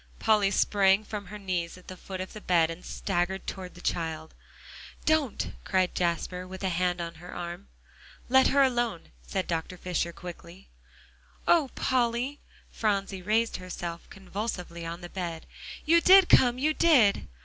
Polly sprang from her knees at the foot of the bed, and staggered toward the child. "Don't!" cried Jasper, with a hand on her arm. "Let her alone," said Dr. Fisher quickly. "Oh, Polly!" Phronsie raised herself convulsively on the bed. "You did come you did!"